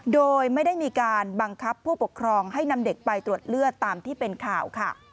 โดยไม่ได้มีการบังคับผู้ปกครองให้นำเด็กไปตรวจเลือดตามที่เป็นข่าวค่ะ